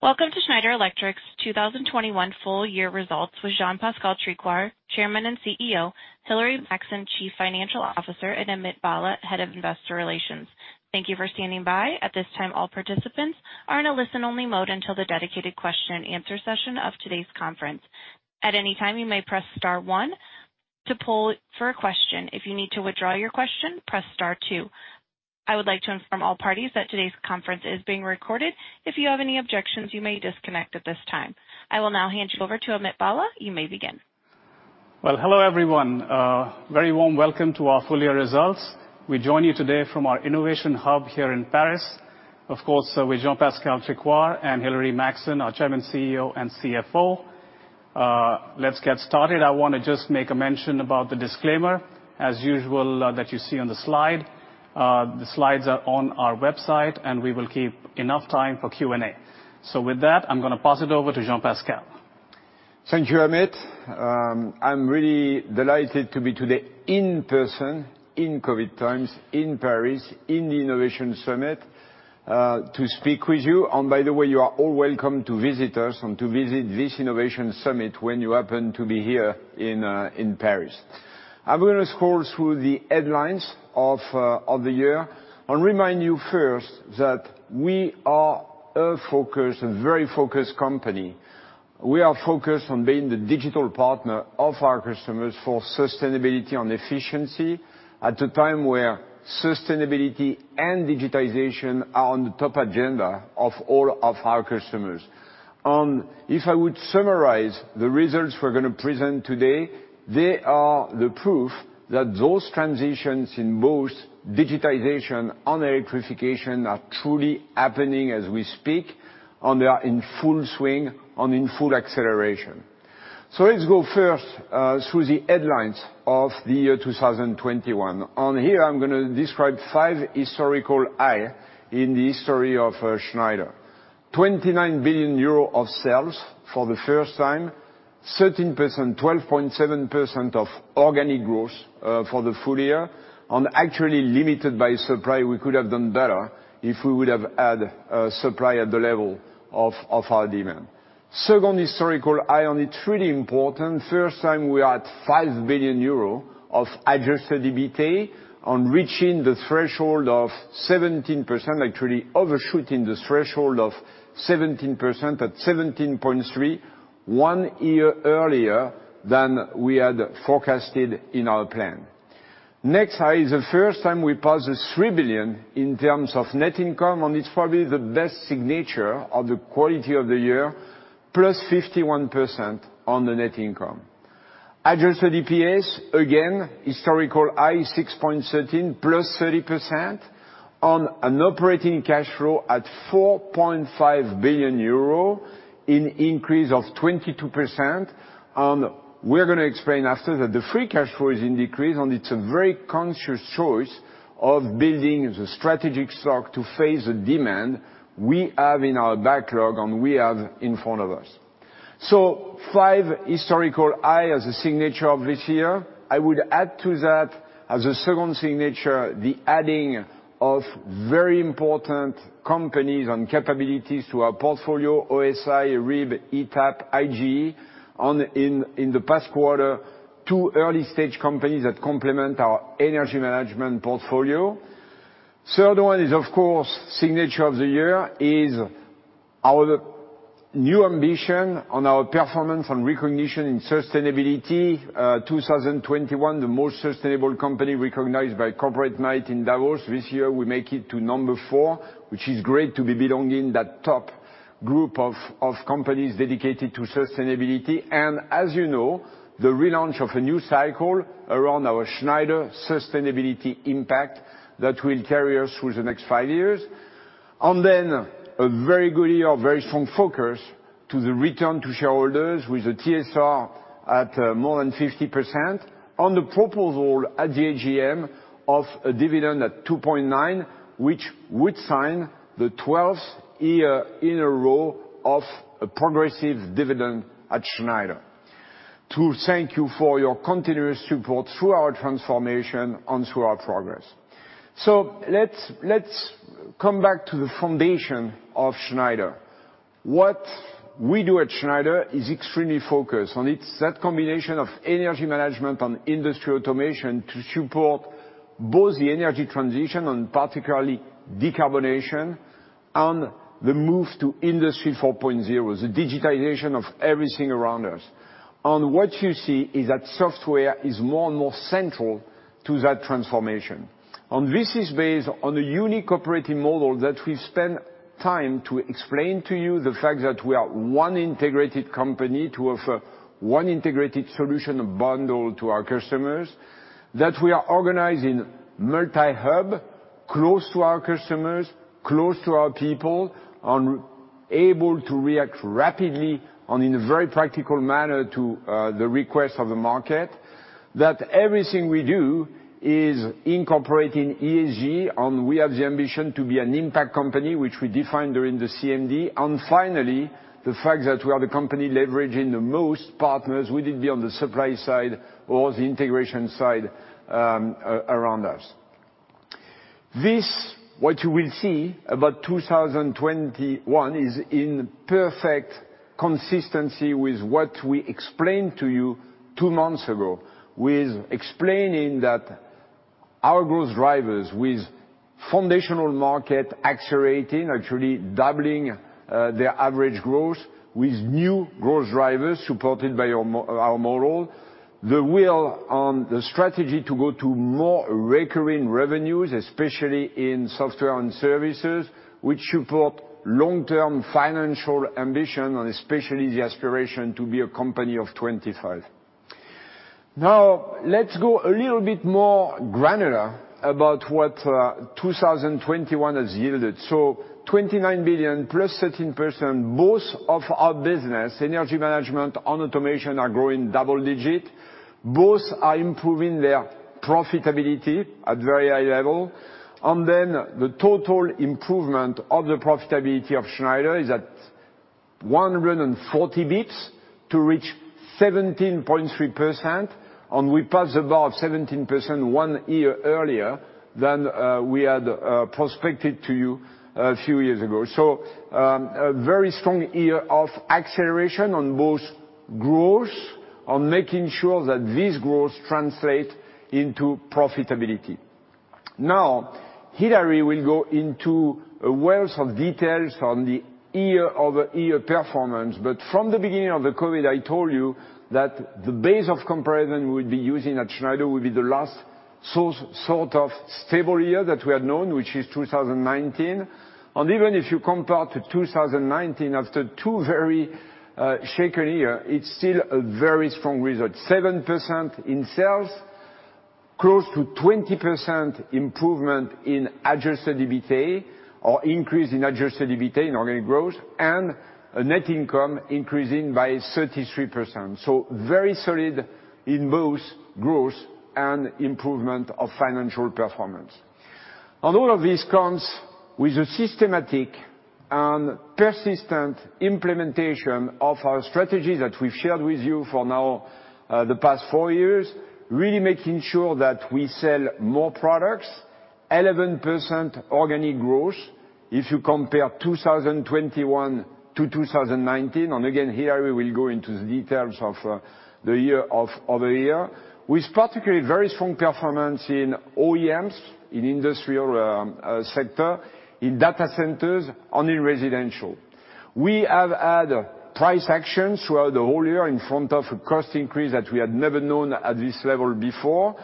Welcome to Schneider Electric's 2021 Full Year Results with Jean-Pascal Tricoire, Chairman and CEO, Hilary Maxson, Chief Financial Officer, and Amit Bhalla, Head of Investor Relations. Thank you for standing by. At this time, all participants are in a listen-only mode until the dedicated question-and-answer session of today's conference. At any time, you may press star one to pull for a question. If you need to withdraw your question, press star two. I would like to inform all parties that today's conference is being recorded. If you have any objections, you may disconnect at this time. I will now hand you over to Amit Bhalla. You may begin. Well, hello, everyone. Very warm welcome to our full year results. We join you today from our innovation hub here in Paris. Of course, with Jean-Pascal Tricoire and Hilary Maxson, our Chairman, CEO, and CFO. Let's get started. I wanna just make a mention about the disclaimer, as usual, that you see on the slide. The slides are on our website, and we will keep enough time for Q&A. With that, I'm gonna pass it over to Jean-Pascal. Thank you, Amit. I'm really delighted to be today in person, in COVID times, in Paris, in the Innovation Summit, to speak with you. By the way, you are all welcome to visit us and to visit this Innovation Summit when you happen to be here in Paris. I'm gonna scroll through the headlines of the year and remind you first that we are a focused and very focused company. We are focused on being the digital partner of our customers for sustainability and efficiency at a time where sustainability and digitization are on the top agenda of all of our customers. If I would summarize the results we're gonna present today, they are the proof that those transitions in both digitization and electrification are truly happening as we speak, and they are in full swing and in full acceleration. Let's go first through the headlines of the year 2021. Here, I'm gonna describe five historical high in the history of Schneider. 29 billion euro of sales for the first time, 12.7% organic growth for the full year, and actually limited by supply. We could have done better if we would have had supply at the level of our demand. Second historical high, and it's really important, first time we are at 5 billion euro of adjusted EBITA on reaching the threshold of 17%, actually overshooting the threshold of 17% at 17.3%, one year earlier than we had forecasted in our plan. Next high is the first time we passed 3 billion in terms of net income, and it's probably the best signature of the quality of the year, +51% on the net income. Adjusted EPS, again, historical high, 6.13, +30%, on an operating cash flow at 4.5 billion euro, an increase of 22%. We're gonna explain after that the free cash flow is in a decrease, and it's a very conscious choice of building the strategic stock to face the demand we have in our backlog and we have in front of us. Five historical highs as a signature of this year. I would add to that, as a second signature, the adding of very important companies and capabilities to our portfolio, OSI, RIB, ETAP, IGE. In the past quarter, two early-stage companies that complement our energy management portfolio. Third one is, of course, signature of the year is our new ambition on our performance and recognition in sustainability. 2021, the most sustainable company recognized by Corporate Knights in Davos. This year, we make it to number four, which is great to be belonging to that top group of companies dedicated to sustainability. As you know, the relaunch of a new cycle around our Schneider Sustainability Impact that will carry us through the next five years. Then a very good year, a very strong focus to the return to shareholders with the TSR at more than 50% on the proposal at the AGM of a dividend at 2.9, which would sign the 12th year in a row of a progressive dividend at Schneider to thank you for your continuous support through our transformation and through our progress. Let's come back to the foundation of Schneider. What we do at Schneider is extremely focused, and it's that combination of Energy Management and Industrial Automation to support both the energy transition and particularly decarbonization and the move to Industry 4.0, the digitization of everything around us. What you see is that software is more and more central to that transformation. This is based on a unique operating model that we spent time to explain to you the fact that we are one integrated company to offer one integrated solution bundle to our customers. That we are organized in multi-hub close to our customers, close to our people, and able to react rapidly and in a very practical manner to the request of the market. That everything we do is incorporating ESG, and we have the ambition to be an impact company, which we defined during the CMD. Finally, the fact that we are the company leveraging the most partners, whether it be on the supply side or the integration side, around us. This, what you will see about 2021, is in perfect consistency with what we explained to you two months ago. We're explaining that our growth drivers with foundational market accelerating, actually doubling, their average growth, with new growth drivers supported by our model. The strategy to go to more recurring revenues, especially in software and services, which support long-term financial ambition and especially the aspiration to be a company of 2025. Now, let's go a little bit more granular about what 2021 has yielded. 29 billion +13%, both of our businesses, Energy Management and Industrial Automation, are growing double-digit. Both are improving their profitability at very high level. The total improvement of the profitability of Schneider Electric is at 140 bps to reach 17.3%, and we passed above 17% one year earlier than we had projected to you a few years ago. A very strong year of acceleration on both growth, on making sure that this growth translate into profitability. Hilary will go into a wealth of details on the year-over-year performance. From the beginning of the COVID, I told you that the base of comparison we'll be using at Schneider will be the last sort of stable year that we had known, which is 2019. Even if you compare to 2019 after two very shaken years, it's still a very strong result. 7% in sales, close to 20% improvement in adjusted EBITA, or increase in adjusted EBITA in organic growth, and a net income increasing by 33%. Very solid in both growth and improvement of financial performance. All of these comes with a systematic and persistent implementation of our strategy that we've shared with you for now, the past four years, really making sure that we sell more products, 11% organic growth if you compare 2021 to 2019. Here, we will go into the details of the year-over-year. With particularly very strong performance in OEMs, in industrial sector, in data centers, and in residential. We have had price actions throughout the whole year in front of a cost increase that we had never known at this level before.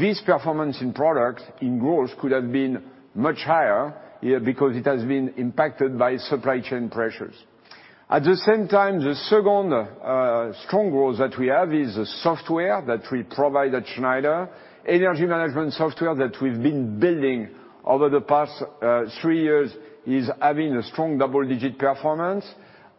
This performance in products, in growth, could have been much higher here because it has been impacted by supply chain pressures. At the same time, the second strong growth that we have is the software that we provide at Schneider. Energy management software that we've been building over the past three years is having a strong double-digit performance.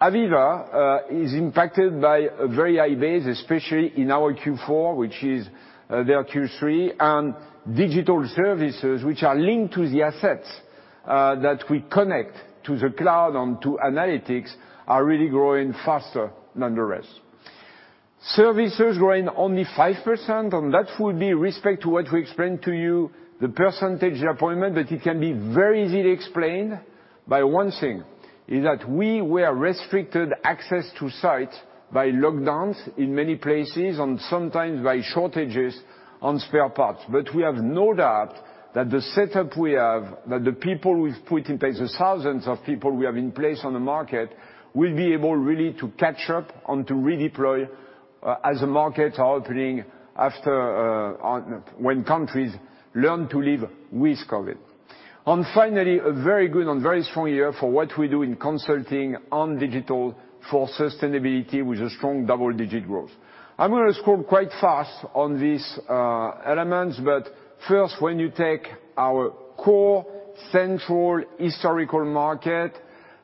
AVEVA is impacted by a very high base, especially in our Q4, which is their Q3. Digital services, which are linked to the assets that we connect to the cloud and to analytics, are really growing faster than the rest. Services growing only 5%, and that would be with respect to what we explained to you, the percentage point meant that it can be very easily explained by one thing, is that we were restricted in access to sites by lockdowns in many places and sometimes by shortages on spare parts. We have no doubt that the setup we have, that the people we've put in place, the thousands of people we have in place on the market, will be able really to catch up and to redeploy, as the market are opening after, on, when countries learn to live with COVID. Finally, a very good and very strong year for what we do in consulting on digital for sustainability with a strong double-digit growth. I'm gonna scroll quite fast on these elements, but first, when you take our core central historical market,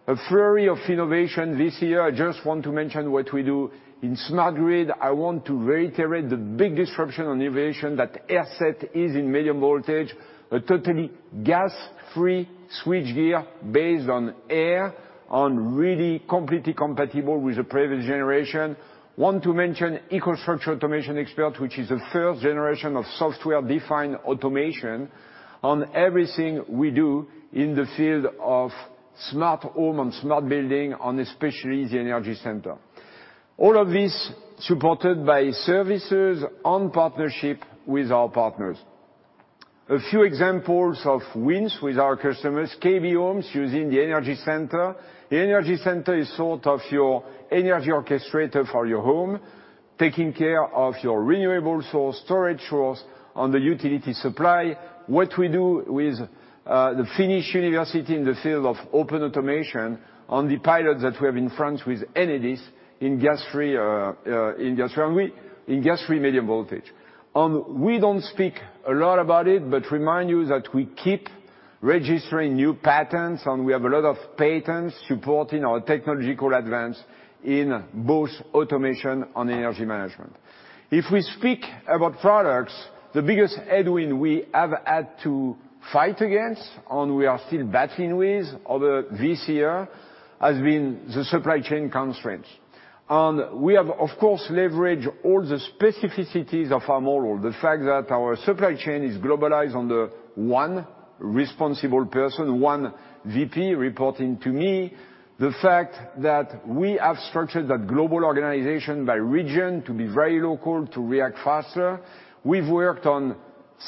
a flurry of innovation this year, I just want to mention what we do in smart grid. I want to reiterate the big disruption on innovation that AirSeT is in medium voltage. A totally gas-free switchgear based on air and really completely compatible with the previous generation want to mention EcoStruxure Automation Expert, which is the third generation of software-defined automation. On everything we do in the field of smart home and smart building and especially the Energy Center. All of this supported by services and partnership with our partners. A few examples of wins with our customers. KB Home using the Energy Center. The Energy Center is sort of your energy orchestrator for your home, taking care of your renewable source, storage source, and the utility supply. What we do with the Finnish University in the field of open automation on the pilot that we have in France with Enedis in SF6-free medium voltage. We don't speak a lot about it, but remind you that we keep registering new patents, and we have a lot of patents supporting our technological advance in both automation and energy management. If we speak about products, the biggest headwind we ever had to fight against, and we are still battling with over this year, has been the supply chain constraints. We have, of course, leveraged all the specificities of our model, the fact that our supply chain is globalized under one responsible person, one VP reporting to me, the fact that we have structured a global organization by region to be very local, to react faster. We've worked on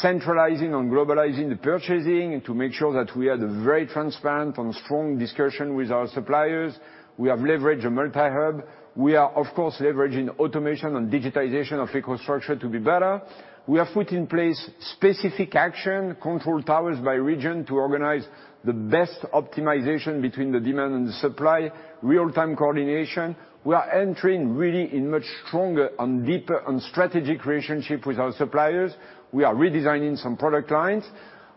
centralizing and globalizing the purchasing to make sure that we are very transparent and strong discussions with our suppliers. We have leveraged a multi-hub. We are, of course, leveraging automation and digitization of EcoStruxure to be better. We have put in place specific action control towers by region to organize the best optimization between the demand and supply, real-time coordination. We are entering really in much stronger and deeper and strategic relationship with our suppliers. We are redesigning some product lines.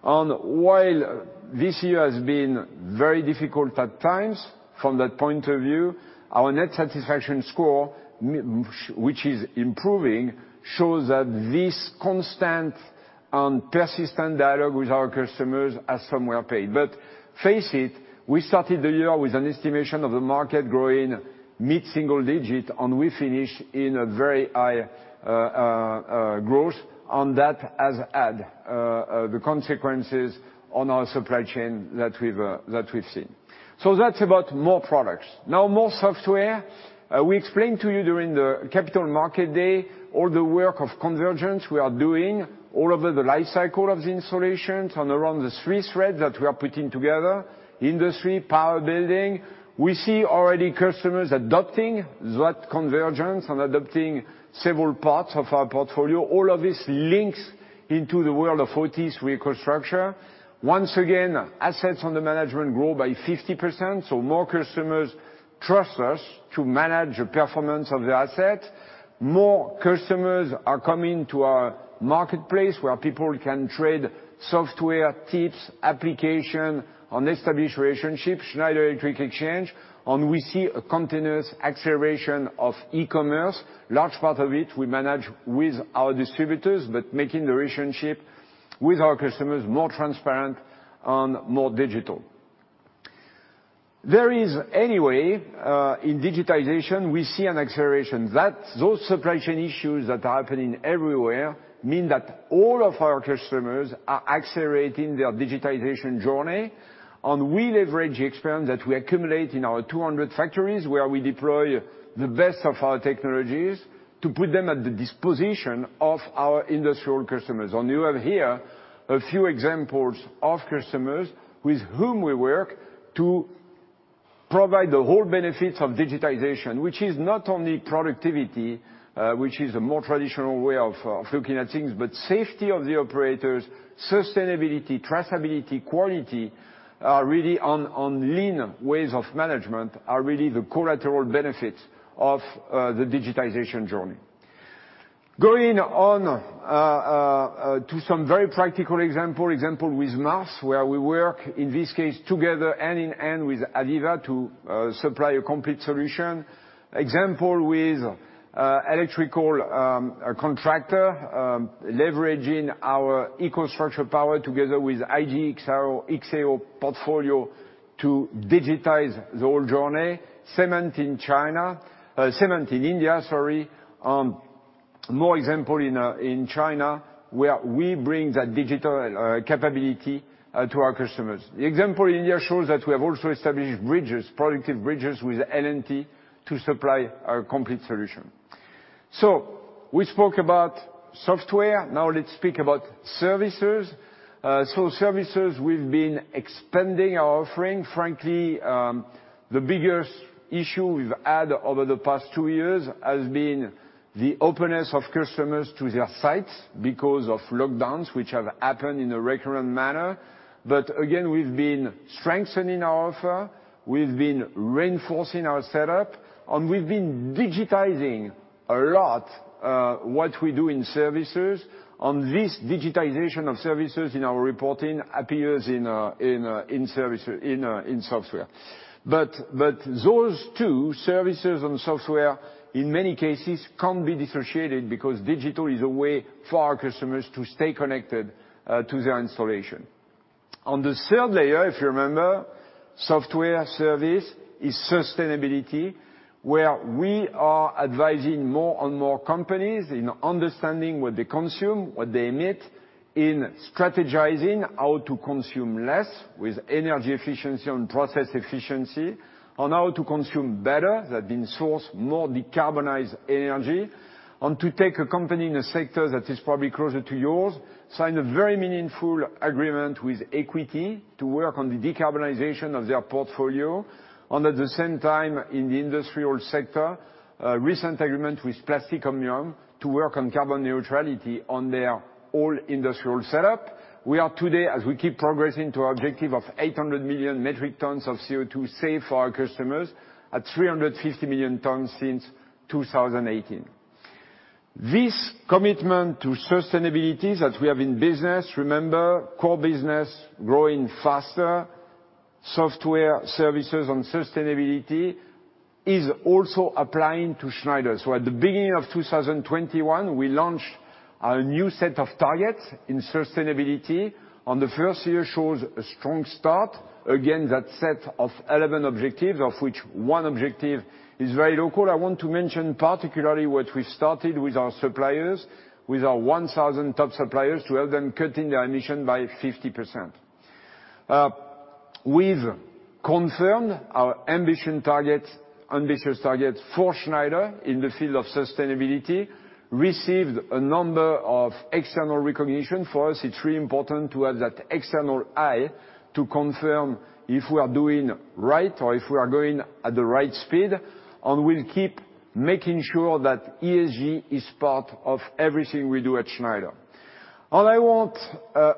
While this year has been very difficult at times from that point of view, our net satisfaction score, which is improving, shows that this constant and persistent dialogue with our customers has somewhere paid. Face it, we started the year with an estimation of the market growing mid-single digit, and we finish in a very high growth, and that has had the consequences on our supply chain that we've seen. That's about more products. Now more software. We explained to you during the Capital Markets Day all the work of convergence we are doing all over the life cycle of the installations and around the three threads that we are putting together. Industry, power building. We see already customers adopting that convergence and adopting several parts of our portfolio. All of this links into the world of OT EcoStruxure. Once again, assets under management grow by 50%, so more customers trust us to manage the performance of the asset. More customers are coming to our marketplace, where people can trade software, tips, application, and establish relationship, Schneider Electric Exchange. We see a continuous acceleration of e-commerce. Large part of it we manage with our distributors, but making the relationship with our customers more transparent and more digital. There is anyway in digitization, we see an acceleration. Those supply chain issues that are happening everywhere mean that all of our customers are accelerating their digitization journey. We leverage the experience that we accumulate in our 200 factories, where we deploy the best of our technologies, to put them at the disposition of our industrial customers. You have here a few examples of customers with whom we work to provide the whole benefits of digitization, which is not only productivity, which is a more traditional way of looking at things, but safety of the operators, sustainability, traceability, quality, really on lean ways of management are really the collateral benefits of the digitization journey. Going on to some very practical example with Mars, where we work in this case together, hand in hand, with AVEVA to supply a complete solution. Example with electrical contractor leveraging our EcoStruxure Power together with IGE+XAO portfolio to digitize the whole journey. Cement in China. Cement in India, sorry. More example in China, where we bring that digital capability to our customers. The example in India shows that we have also established bridges, productive bridges, with L&T to supply our complete solution. We spoke about software. Now let's speak about services. Services, we've been expanding our offering. Frankly, the biggest issue we've had over the past two years has been the openness of customers to their sites because of lockdowns which have happened in a recurrent manner. Again, we've been strengthening our offer, we've been reinforcing our setup, and we've been digitizing a lot what we do in services. This digitization of services in our reporting appears in service, in software. Those two, services and software, in many cases can't be differentiated because digital is a way for our customers to stay connected to their installation. On the third layer, if you remember, software service is sustainability, where we are advising more and more companies in understanding what they consume, what they emit, in strategizing how to consume less with energy efficiency and process efficiency, on how to consume better, that means source more decarbonized energy. To take a company in a sector that is probably closer to yours, we sign a very meaningful agreement with Equinix to work on the decarbonization of their portfolio. At the same time in the industrial sector, a recent agreement with Plastic Omnium to work on carbon neutrality on their whole industrial setup. We are today, as we keep progressing to our objective of 800 million metric tons of CO2 saved for our customers, at 350 million tons since 2018. This commitment to sustainability that we have in business, remember, core business growing faster, software, services and sustainability, is also applying to Schneider. At the beginning of 2021, we launched a new set of targets in sustainability, and the first year shows a strong start. Again, that set of 11 objectives, of which one objective is very local. I want to mention particularly what we started with our suppliers, with our 1,000 top suppliers, to help them cutting their emission by 50%. We've confirmed our ambition targets, ambitious targets for Schneider in the field of sustainability, received a number of external recognition. For us, it's really important to have that external eye to confirm if we are doing right or if we are going at the right speed, and we'll keep making sure that ESG is part of everything we do at Schneider. I want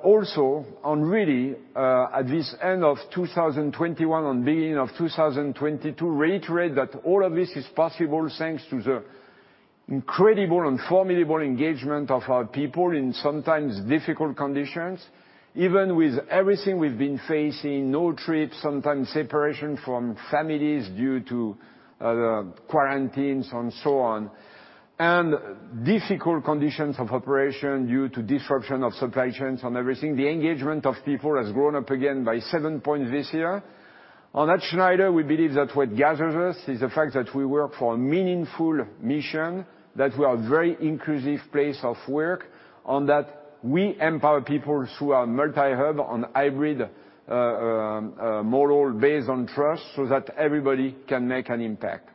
also really at this end of 2021 and beginning of 2022, reiterate that all of this is possible thanks to the incredible and formidable engagement of our people in sometimes difficult conditions. Even with everything we've been facing, no trips, sometimes separation from families due to quarantines and so on, and difficult conditions of operation due to disruption of supply chains and everything, the engagement of people has gone up again by seven points this year. At Schneider, we believe that what gathers us is the fact that we work for a meaningful mission, that we are very inclusive place of work, and that we empower people through our multi-hub and hybrid model based on trust, so that everybody can make an impact.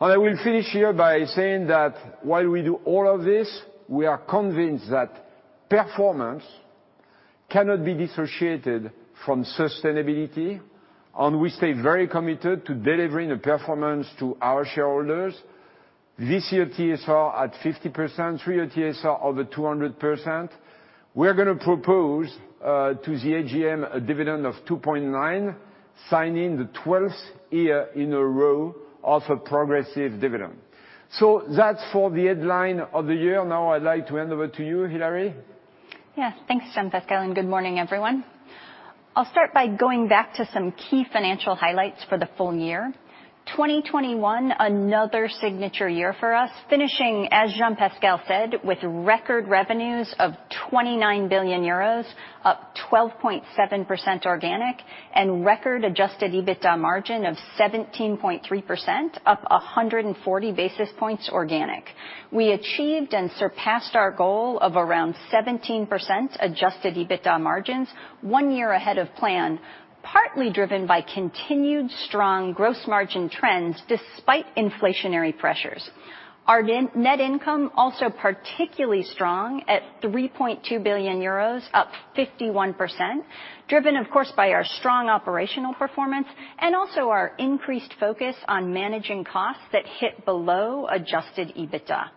I will finish here by saying that while we do all of this, we are convinced that performance cannot be dissociated from sustainability. We stay very committed to delivering the performance to our shareholders. This year TSR at 50%, three-year TSR over 200%. We're gonna propose to the AGM a dividend of 2.9, signing the 12th year in a row of a progressive dividend. That's for the headline of the year. Now I'd like to hand over to you, Hilary. Yes, thanks, Jean-Pascal, and good morning, everyone. I'll start by going back to some key financial highlights for the full year. 2021, another signature year for us, finishing, as Jean-Pascal said, with record revenues of 29 billion euros, up 12.7% organic, and record adjusted EBITDA margin of 17.3%, up 140 basis points organic. We achieved and surpassed our goal of around 17% adjusted EBITDA margins one year ahead of plan, partly driven by continued strong gross margin trends despite inflationary pressures. Our net income also particularly strong at 3.2 billion euros, up 51%, driven, of course, by our strong operational performance and also our increased focus on managing costs that hit below adjusted EBITDA.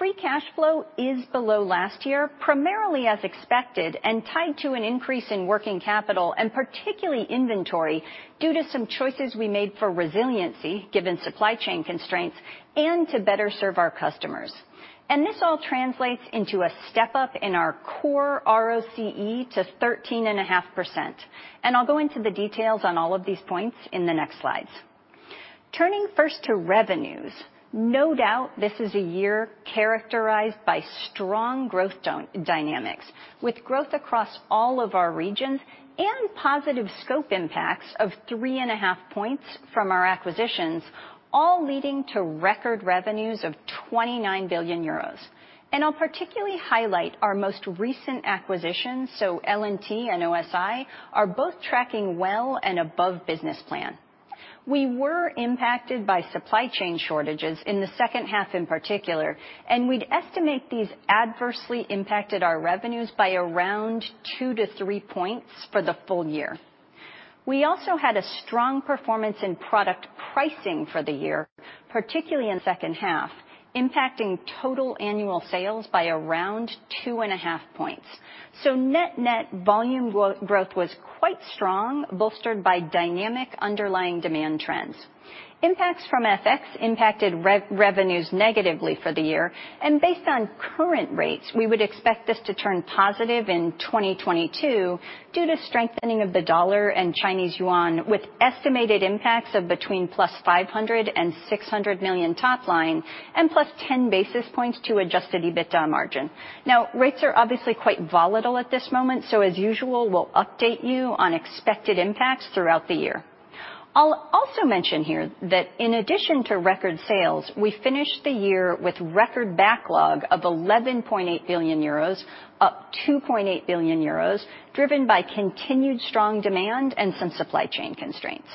Free cash flow is below last year, primarily as expected, and tied to an increase in working capital, and particularly inventory, due to some choices we made for resiliency given supply chain constraints and to better serve our customers. This all translates into a step-up in our core ROCE to 13.5%. I'll go into the details on all of these points in the next slides. Turning first to revenues, no doubt this is a year characterized by strong growth dynamics, with growth across all of our regions and positive scope impacts of 3.5 points from our acquisitions, all leading to record revenues of 29 billion euros. I'll particularly highlight our most recent acquisitions, so L&T and OSI are both tracking well and above business plan. We were impacted by supply chain shortages in the second half in particular, and we'd estimate these adversely impacted our revenues by around two to three points for the full year. We also had a strong performance in product pricing for the year, particularly in second half, impacting total annual sales by around 2.5 points. Net-net volume growth was quite strong, bolstered by dynamic underlying demand trends. Impacts from FX impacted revenues negatively for the year, and based on current rates, we would expect this to turn positive in 2022 due to strengthening of the dollar and Chinese yuan, with estimated impacts of between +500 million and +600 million top line and +10 basis points to adjusted EBITA margin. Now, rates are obviously quite volatile at this moment, so as usual, we'll update you on expected impacts throughout the year. I'll also mention here that in addition to record sales, we finished the year with record backlog of 11.8 billion euros, up 2.8 billion euros, driven by continued strong demand and some supply chain constraints.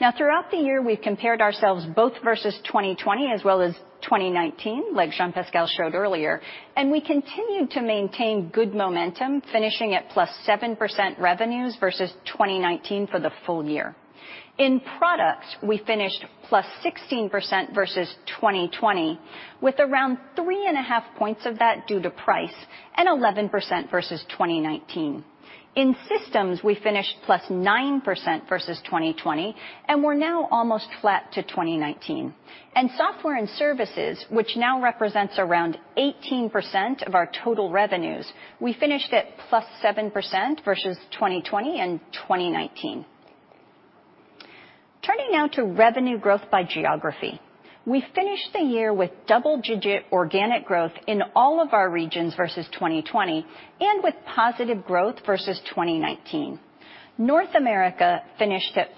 Now throughout the year, we've compared ourselves both versus 2020 as well as 2019, like Jean-Pascal showed earlier, and we continued to maintain good momentum, finishing at +7% revenues versus 2019 for the full year. In products, we finished +16% versus 2020, with around 3.5 points of that due to price and 11% versus 2019. In systems, we finished +9% versus 2020, and we're now almost flat to 2019. Software and services, which now represents around 18% of our total revenues, we finished at +7% versus 2020 and 2019. Turning now to revenue growth by geography. We finished the year with double-digit organic growth in all of our regions versus 2020 and with positive growth versus 2019. North America finished at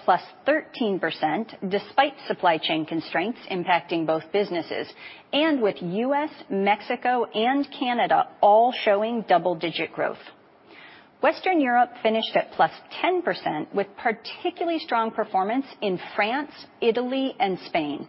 +13% despite supply chain constraints impacting both businesses and with U.S., Mexico, and Canada all showing double-digit growth. Western Europe finished at +10% with particularly strong performance in France, Italy, and Spain.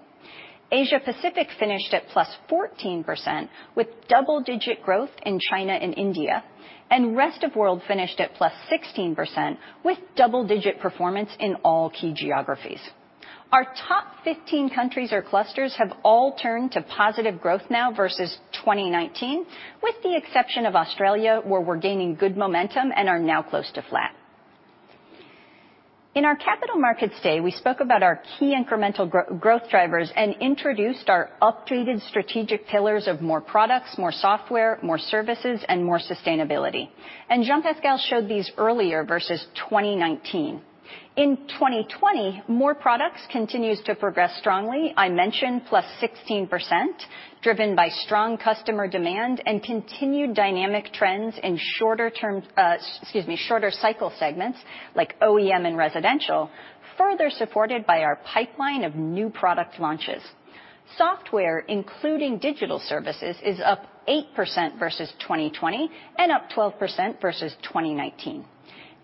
Asia Pacific finished at +14% with double-digit growth in China and India, and rest of world finished at +16% with double-digit performance in all key geographies. Our top 15 countries or clusters have all turned to positive growth now versus 2019, with the exception of Australia, where we're gaining good momentum and are now close to flat. In our Capital Markets Day, we spoke about our key incremental growth drivers and introduced our updated strategic pillars of more products, more software, more services, and more sustainability. Jean-Pascal showed these earlier versus 2019. In 2020, more products continues to progress strongly. I mentioned +16%, driven by strong customer demand and continued dynamic trends in shorter-term, shorter cycle segments like OEM and residential, further supported by our pipeline of new product launches. Software, including digital services, is up 8% versus 2020 and up 12% versus 2019.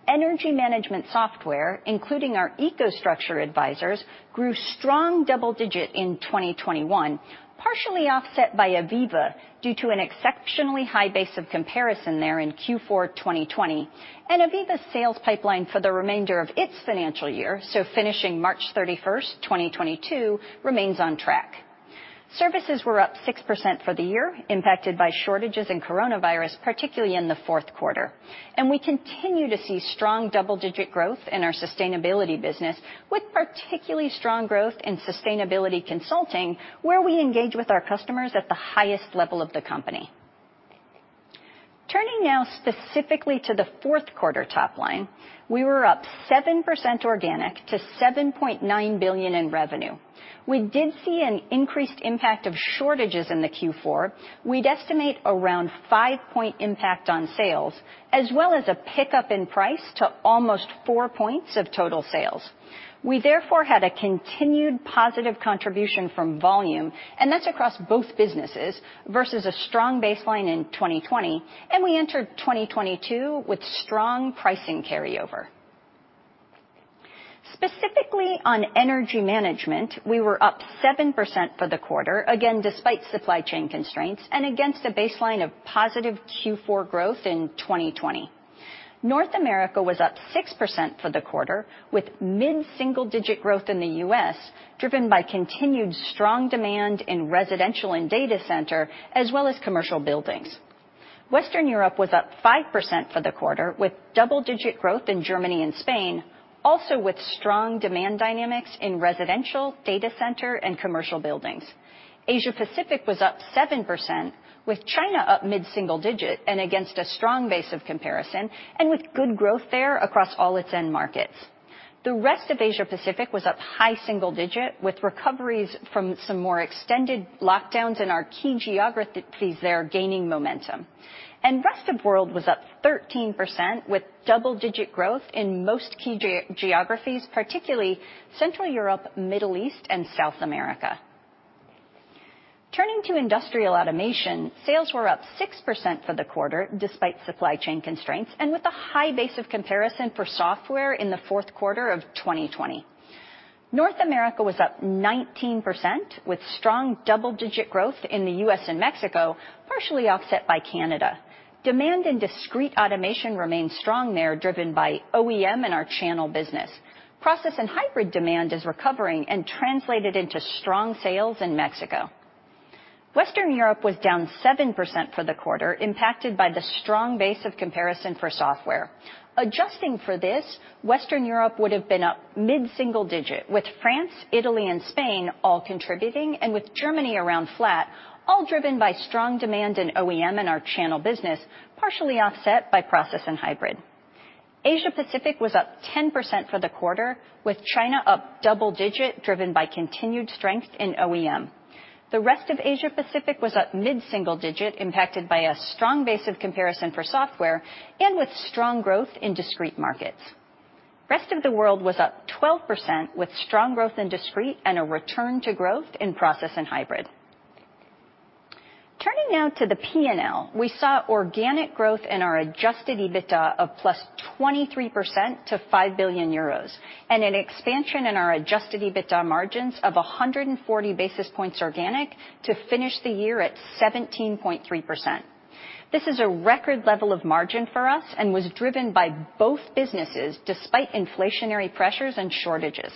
Energy management software, including our EcoStruxure Advisors, grew strong double digit in 2021, partially offset by AVEVA due to an exceptionally high base of comparison there in Q4 2020. AVEVA's sales pipeline for the remainder of its financial year, so finishing March 31st, 2022, remains on track. Services were up 6% for the year, impacted by shortages and coronavirus, particularly in the fourth quarter. We continue to see strong double-digit growth in our sustainability business, with particularly strong growth in sustainability consulting, where we engage with our customers at the highest level of the company. Turning now specifically to the fourth quarter top line, we were up 7% organic to 7.9 billion in revenue. We did see an increased impact of shortages in the Q4. We'd estimate around five-point impact on sales, as well as a pickup in price to almost four points of total sales. We therefore had a continued positive contribution from volume, and that's across both businesses, versus a strong baseline in 2020, and we entered 2022 with strong pricing carryover. Specifically on Energy Management, we were up 7% for the quarter, again, despite supply chain constraints and against a baseline of positive Q4 growth in 2020. North America was up 6% for the quarter, with mid-single-digit growth in the U.S., driven by continued strong demand in residential and data center as well as commercial buildings. Western Europe was up 5% for the quarter, with double-digit growth in Germany and Spain, also with strong demand dynamics in residential, data center, and commercial buildings. Asia Pacific was up 7%, with China up mid-single digit and against a strong base of comparison and with good growth there across all its end markets. The rest of Asia Pacific was up high single digit, with recoveries from some more extended lockdowns in our key geographies there gaining momentum. Rest of world was up 13% with double-digit growth in most key geographies, particularly Central Europe, Middle East, and South America. Turning to Industrial Automation, sales were up 6% for the quarter, despite supply chain constraints and with a high base of comparison for software in the fourth quarter of 2020. North America was up 19% with strong double-digit growth in the U.S. and Mexico, partially offset by Canada. Demand in Discrete Automation remains strong there, driven by OEM and our channel business. Process and Hybrid demand is recovering and translated into strong sales in Mexico. Western Europe was down 7% for the quarter, impacted by the strong base of comparison for software. Adjusting for this, Western Europe would have been up mid-single-digit, with France, Italy, and Spain all contributing, and with Germany around flat, all driven by strong demand in OEM and our channel business, partially offset by Process and Hybrid. Asia Pacific was up 10% for the quarter, with China up double-digit, driven by continued strength in OEM. The rest of Asia Pacific was at mid-single-digit, impacted by a strong base of comparison for software and with strong growth in discrete markets. Rest of the world was up 12% with strong growth in discrete and a return to growth in process and hybrid. Turning now to the P&L, we saw organic growth in our adjusted EBITA of +23% to 5 billion euros and an expansion in our adjusted EBITA margins of 140 basis points organic to finish the year at 17.3%. This is a record level of margin for us and was driven by both businesses despite inflationary pressures and shortages.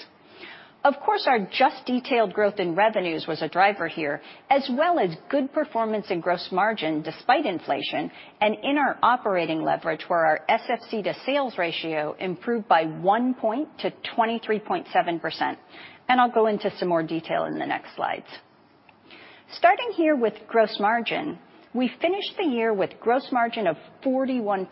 Of course, our just detailed growth in revenues was a driver here, as well as good performance in gross margin despite inflation and in our operating leverage, where our SFC to sales ratio improved by one point to 23.7%. I'll go into some more detail in the next slides. Starting here with gross margin, we finished the year with gross margin of 41%,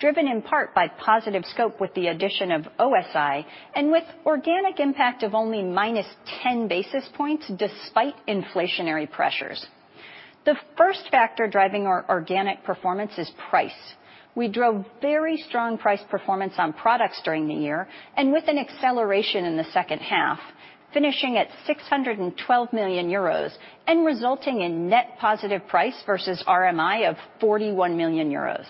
driven in part by positive scope with the addition of OSI and with organic impact of only minus 10 basis points despite inflationary pressures. The first factor driving our organic performance is price. We drove very strong price performance on products during the year and with an acceleration in the second half, finishing at 612 million euros and resulting in net positive price versus RMI of 41 million euros.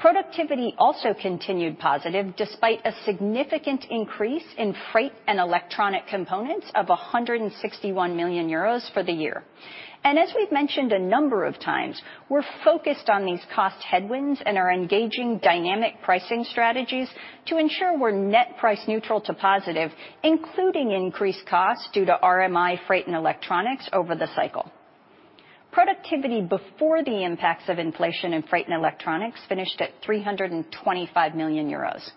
Productivity also continued positive despite a significant increase in freight and electronic components of 161 million euros for the year. As we've mentioned a number of times, we're focused on these cost headwinds and are engaging dynamic pricing strategies to ensure we're net price neutral to positive, including increased costs due to RMI freight and electronics over the cycle. Productivity before the impacts of inflation and freight and electronics finished at 325 million euros.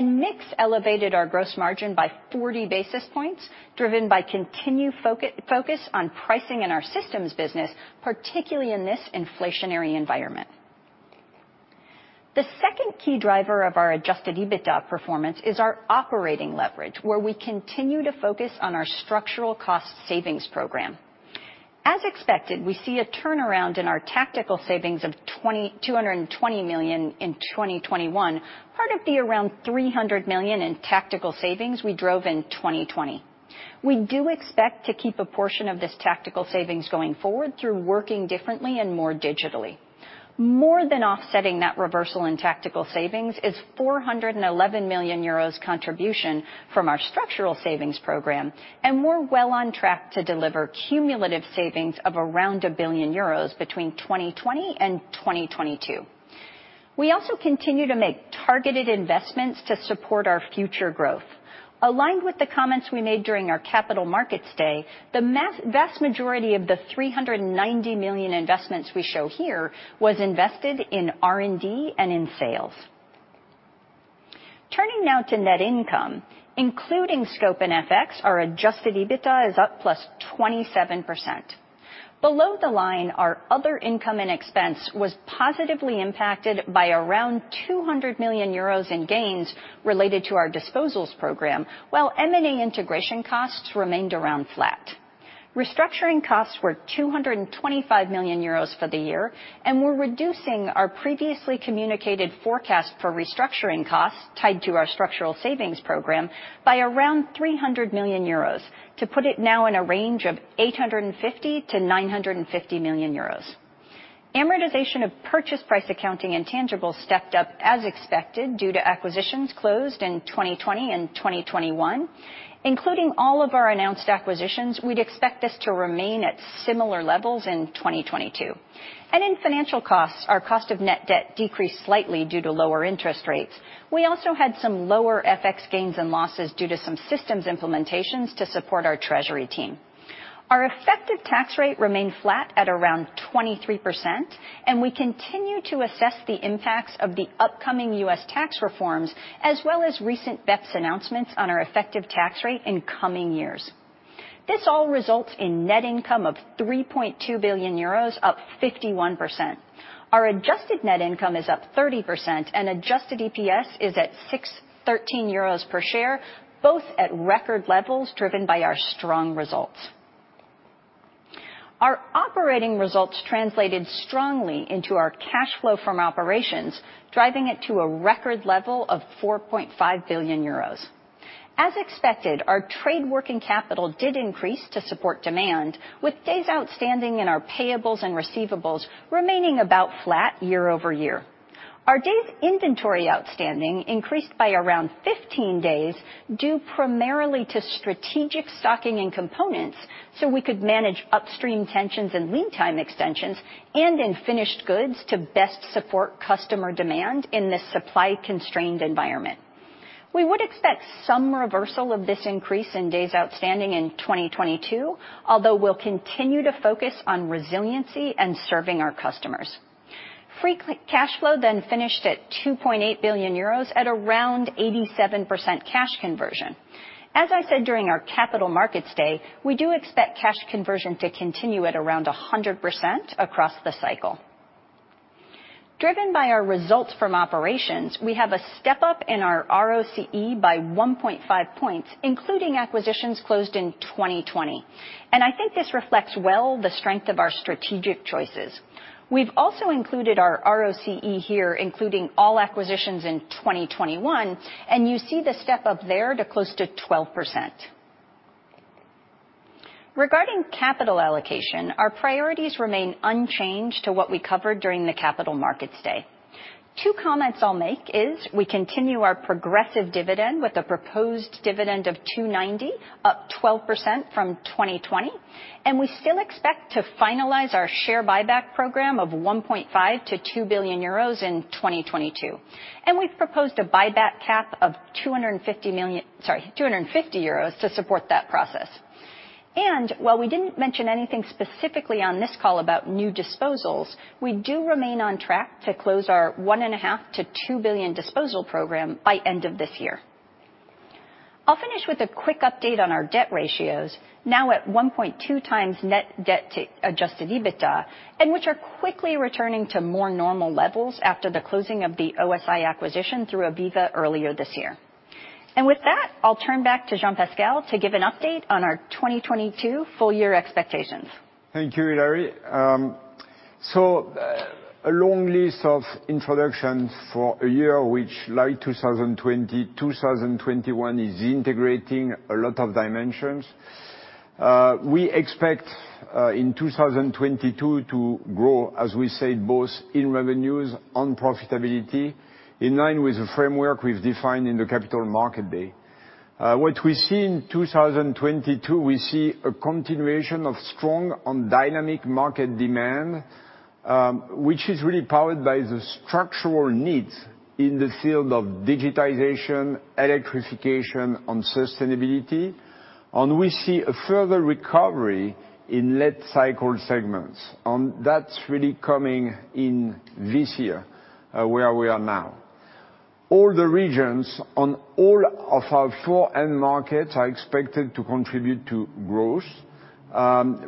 Mix elevated our gross margin by 40 basis points, driven by continued focus on pricing in our systems business, particularly in this inflationary environment. The second key driver of our adjusted EBITDA performance is our operating leverage, where we continue to focus on our structural cost savings program. As expected, we see a turnaround in our tactical savings of 220 million in 2021, part of the around 300 million in tactical savings we drove in 2020. We do expect to keep a portion of this tactical savings going forward through working differently and more digitally. More than offsetting that reversal in tactical savings is 411 million euros contribution from our structural savings program, and we're well on track to deliver cumulative savings of around 1 billion euros between 2020 and 2022. We also continue to make targeted investments to support our future growth. Aligned with the comments we made during our Capital Markets Day, the vast majority of the 390 million investments we show here was invested in R&D and in sales. Turning now to net income, including scope and FX, our adjusted EBITA is up +27%. Below the line, our other income and expense was positively impacted by around 200 million euros in gains related to our disposals program, while M&A integration costs remained around flat. Restructuring costs were 225 million euros for the year, and we're reducing our previously communicated forecast for restructuring costs tied to our structural savings program by around 300 million euros to put it now in a range of 850 million-950 million euros. Amortization of purchase price accounting intangibles stepped up as expected due to acquisitions closed in 2020 and 2021. Including all of our announced acquisitions, we'd expect this to remain at similar levels in 2022. In financial costs, our cost of net debt decreased slightly due to lower interest rates. We also had some lower FX gains and losses due to some systems implementations to support our treasury team. Our effective tax rate remained flat at around 23%, and we continue to assess the impacts of the upcoming U.S. tax reforms, as well as recent BEPS announcements on our effective tax rate in coming years. This all results in net income of 3.2 billion euros, up 51%. Our adjusted net income is up 30%, and adjusted EPS is at 6.13 euros per share, both at record levels driven by our strong results. Our operating results translated strongly into our cash flow from operations, driving it to a record level of 4.5 billion euros. As expected, our trade working capital did increase to support demand, with days outstanding in our payables and receivables remaining about flat year-over-year. Our days inventory outstanding increased by around 15 days, due primarily to strategic stocking in components so we could manage upstream tensions and lead time extensions and in finished goods to best support customer demand in this supply-constrained environment. We would expect some reversal of this increase in days outstanding in 2022, although we'll continue to focus on resiliency and serving our customers. Free cash flow then finished at 2.8 billion euros at around 87% cash conversion. As I said during our Capital Markets Day, we do expect cash conversion to continue at around 100% across the cycle. Driven by our results from operations, we have a step-up in our ROCE by 1.5 points, including acquisitions closed in 2020, and I think this reflects well the strength of our strategic choices. We've also included our ROCE here, including all acquisitions in 2021, and you see the step-up there to close to 12%. Regarding capital allocation, our priorities remain unchanged to what we covered during the Capital Markets Day. Two comments I'll make is we continue our progressive dividend with a proposed dividend of 2.90, up 12% from 2020, and we still expect to finalize our share buyback program of 1.5 billion-2 billion euros in 2022. We've proposed a buyback cap of 250 million, sorry, 250 euros to support that process. While we didn't mention anything specifically on this call about new disposals, we do remain on track to close our 1.5 billion-2 billion disposal program by end of this year. I'll finish with a quick update on our debt ratios, now at 1.2 times net debt to adjusted EBITDA, and which are quickly returning to more normal levels after the closing of the OSIsoft acquisition through AVEVA earlier this year. With that, I'll turn back to Jean-Pascal to give an update on our 2022 full year expectations. Thank you, Hilary. A long list of introductions for a year which, like 2020, 2021, is integrating a lot of dimensions. We expect in 2022 to grow, as we said, both in revenues and profitability, in line with the framework we've defined in the Capital Markets Day. What we see in 2022, we see a continuation of strong and dynamic market demand, which is really powered by the structural needs in the field of digitization, electrification, and sustainability. We see a further recovery in late cycle segments, and that's really coming in this year, where we are now. All the regions on all of our four end markets are expected to contribute to growth.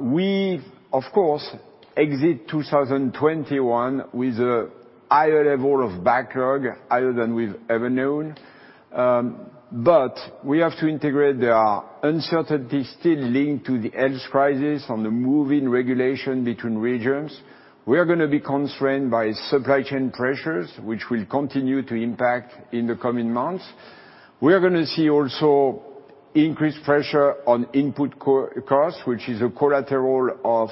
We of course exited 2021 with a higher level of backlog, higher than we've ever known. But there are uncertainties still linked to the health crisis and the mobility restrictions between regions. We are gonna be constrained by supply chain pressures, which will continue to impact in the coming months. We are gonna see also increased pressure on input costs, which is a collateral of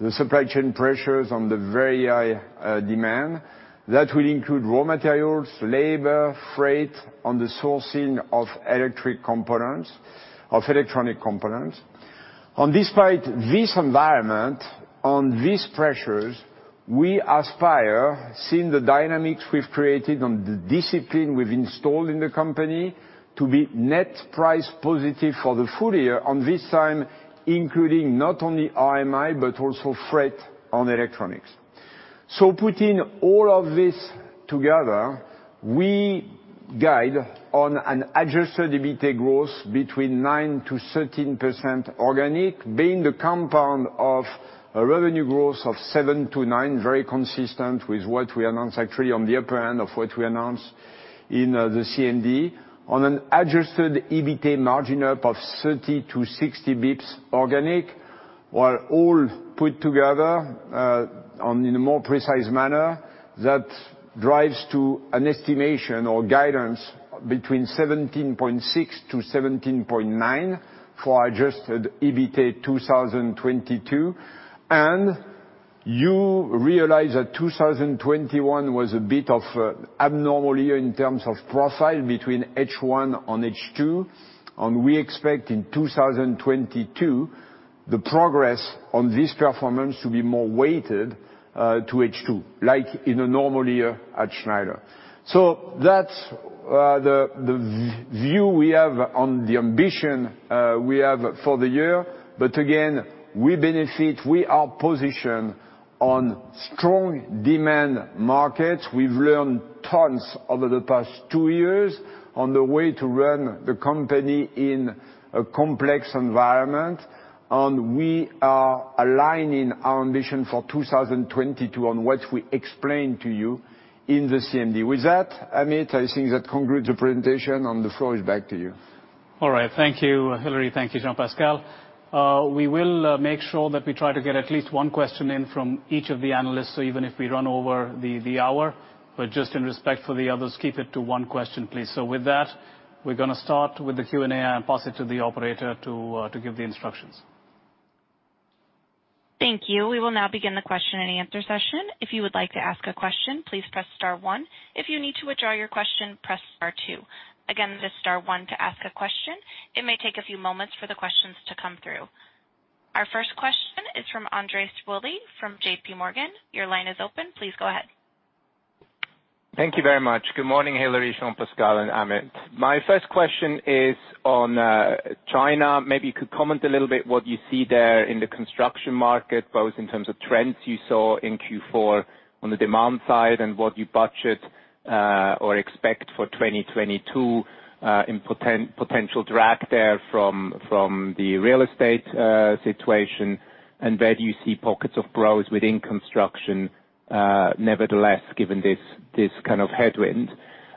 the supply chain pressures and the very high demand. That will include raw materials, labor, freight, and the sourcing of electronic components. Despite this environment and these pressures, we aspire, seeing the dynamics we've created and the discipline we've installed in the company, to be net price positive for the full year this time, including not only RMI, but also freight and electronics. Putting all of this together, we guide on an adjusted EBITA growth between 9%-13% organic, being the compound of a revenue growth of 7%-9%, very consistent with what we announced actually on the upper end of what we announced in the CMD. On an adjusted EBITA margin up of 30 bps-60 bps organic, while all put together, on in a more precise manner, that drives to an estimation or guidance between 17.6-17.9 for adjusted EBITA 2022. You realize that 2021 was a bit of an abnormal year in terms of profile between H1 and H2, and we expect in 2022 the progress on this performance to be more weighted to H2, like in a normal year at Schneider. That's the view we have on the ambition we have for the year. Again, we benefit. We are positioned on strong demand markets. We've learned tons over the past two years on the way to run the company in a complex environment, and we are aligning our ambition for 2022 on what we explained to you in the CMD. With that, Amit, I think that concludes the presentation, and the floor is back to you. All right. Thank you, Hilary. Thank you, Jean-Pascal. We will make sure that we try to get at least one question in from each of the analysts, so even if we run over the hour. Just in respect for the others, keep it to one question, please. With that, we're gonna start with the Q&A, and I pass it to the operator to give the instructions. Thank you. We will now begin the question and answer session. If you would like to ask a question, please press star one. If you need to withdraw your question, press star two. Again, that is star one to ask a question. It may take a few moments for the questions to come through. Our first question is from Andreas Willi from J.P. Morgan. Your line is open. Please go ahead. Thank you very much. Good morning, Hilary, Jean-Pascal, and Amit. My first question is on China. Maybe you could comment a little bit what you see there in the construction market, both in terms of trends you saw in Q4 on the demand side and what you budget or expect for 2022, in potential drag there from the real estate situation.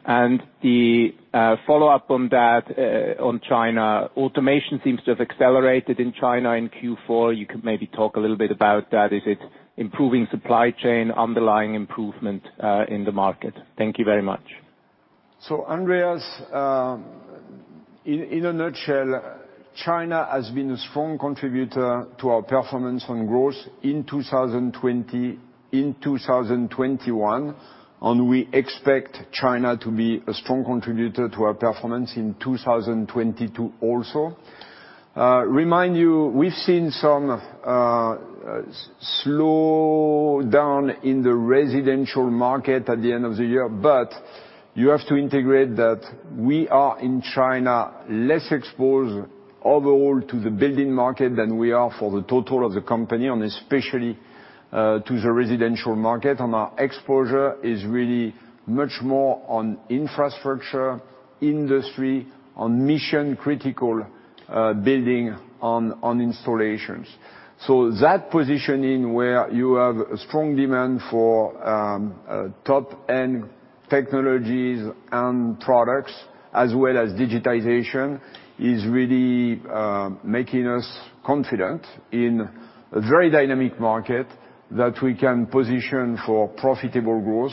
The follow-up on that, on China, automation seems to have accelerated in China in Q4. You could maybe talk a little bit about that. Is it improving supply chain, underlying improvement in the market? Thank you very much. Andreas, in a nutshell, China has been a strong contributor to our performance on growth in 2020, in 2021, and we expect China to be a strong contributor to our performance in 2022 also. To remind you, we've seen some slowdown in the residential market at the end of the year, but you have to integrate that we are in China less exposed overall to the building market than we are for the total of the company, and especially to the residential market. Our exposure is really much more on infrastructure, industry, on mission-critical buildings and installations. That positioning where you have a strong demand for top-end technologies and products as well as digitization is really making us confident in a very dynamic market that we can position for profitable growth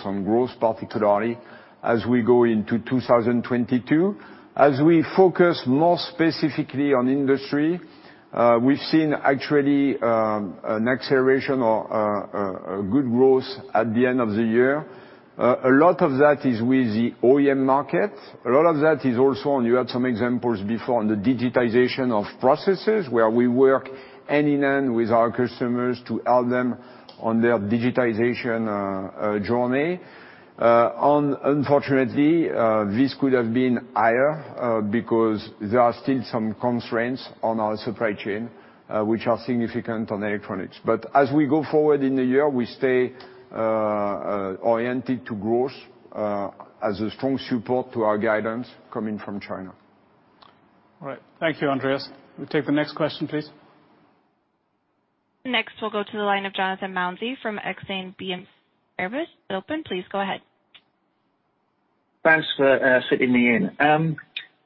particularly as we go into 2022. As we focus more specifically on industry, we've seen actually an acceleration or a good growth at the end of the year. A lot of that is with the OEM market. A lot of that is also, and you had some examples before on the digitization of processes where we work hand-in-hand with our customers to help them on their digitization journey. Unfortunately, this could have been higher because there are still some constraints on our supply chain, which are significant on electronics. As we go forward in the year, we stay oriented to growth as a strong support to our guidance coming from China. All right. Thank you, Andreas. We'll take the next question, please. Next, we'll go to the line of Jonathan Mounsey from Exane BNP Paribas. It's open. Please go ahead. Thanks for fitting me in.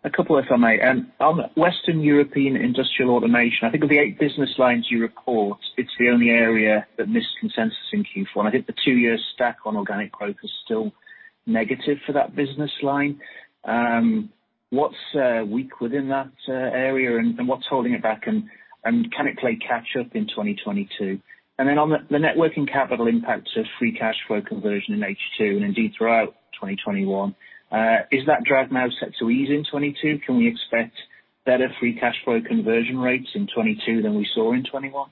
A couple if I may. On Western European Industrial Automation, I think of the eight business lines you report, it's the only area that missed consensus in Q1. I think the two-year stack on organic growth is still negative for that business line. What's weak within that area, and what's holding it back? Can it play catch-up in 2022? On the net working capital impact to free cash flow conversion in H2, and indeed throughout 2021, is that drag now set to ease in 2022? Can we expect better free cash flow conversion rates in 2022 than we saw in 2021?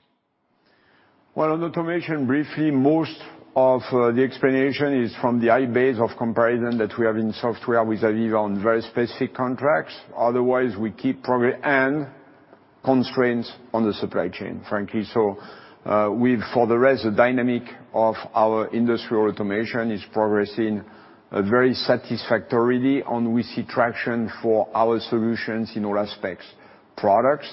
Well, on automation, briefly, most of the explanation is from the high base of comparison that we have in software with AVEVA on very specific contracts. Otherwise, we keep progress and constraints on the supply chain, frankly. For the rest, the dynamic of our Industrial Automation is progressing very satisfactorily, and we see traction for our solutions in all aspects, products,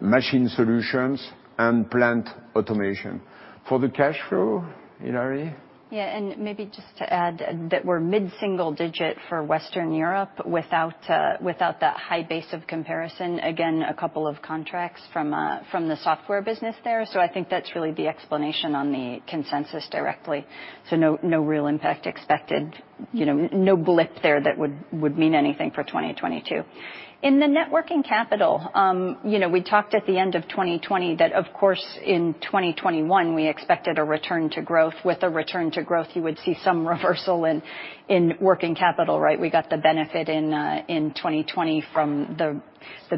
machine solutions, and plant automation. For the cash flow, Hilary? Maybe just to add that we're mid-single digit for Western Europe without that high base of comparison. Again, a couple of contracts from the software business there. I think that's really the explanation on the consensus directly. No real impact expected. No blip there that would mean anything for 2022. In the net working capital, we talked at the end of 2020 that, of course, in 2021, we expected a return to growth. With a return to growth, you would see some reversal in working capital, right? We got the benefit in 2020 from the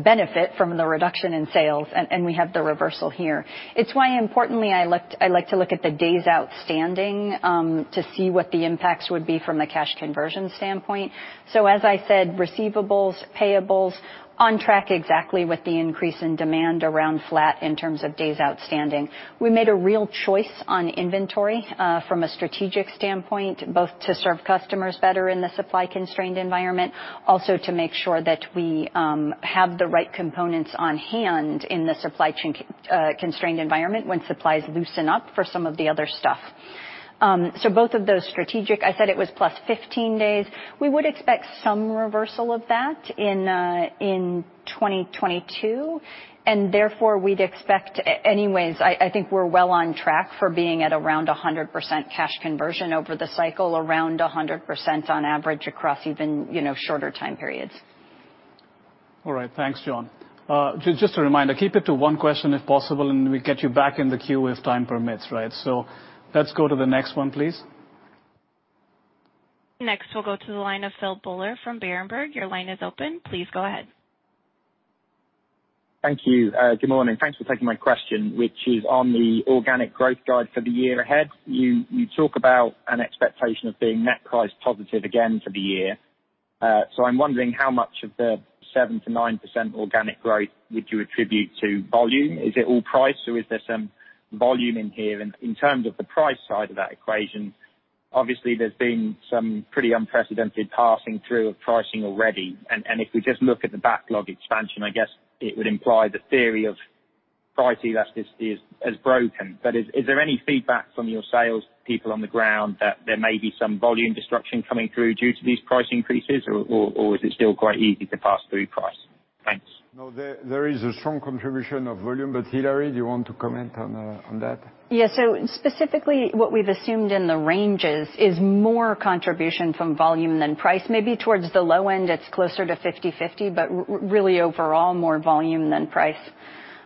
benefit from the reduction in sales, and we have the reversal here. It's why, importantly, I like to look at the days outstanding, to see what the impacts would be from a cash conversion standpoint. As I said, receivables, payables on track exactly with the increase in demand around flat in terms of days outstanding. We made a real choice on inventory, from a strategic standpoint, both to serve customers better in the supply-constrained environment, also to make sure that we have the right components on hand in the supply chain constrained environment when supplies loosen up for some of the other stuff. Both of those strategic, I said it was plus 15 days. We would expect some reversal of that in 2022, and therefore we'd expect anyways I think we're well on track for being at around 100% cash conversion over the cycle, around 100% on average across even, you know, shorter time periods. All right. Thanks, Jon. Just a reminder, keep it to one question if possible, and we'll get you back in the queue if time permits, right? Let's go to the next one, please. Next, we'll go to the line of Philip Buller from Berenberg. Your line is open. Please go ahead. Thank you. Good morning. Thanks for taking my question, which is on the organic growth guide for the year ahead. You talk about an expectation of being net price positive again for the year. So I'm wondering how much of the 7%-9% organic growth would you attribute to volume? Is it all price, or is there some volume in here? In terms of the price side of that equation, obviously there's been some pretty unprecedented passing through of pricing already. And if we just look at the backlog expansion, I guess it would imply the theory of pricing elasticity is broken. But is there any feedback from your sales people on the ground that there may be some volume destruction coming through due to these price increases, or is it still quite easy to pass through price? Thanks. No, there is a strong contribution of volume. Hilary, do you want to comment on that? Specifically what we've assumed in the ranges is more contribution from volume than price. Maybe towards the low end, it's closer to 50/50, but really overall, more volume than price.